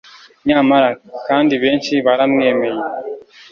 Nyamara kandi benshi baramwemeye.